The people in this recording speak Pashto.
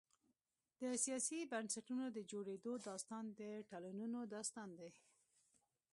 د سیاسي بنسټونو د جوړېدو داستان د تړونونو داستان دی.